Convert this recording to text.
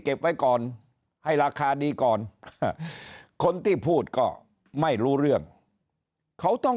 ไว้ก่อนให้ราคาดีก่อนคนที่พูดก็ไม่รู้เรื่องเขาต้อง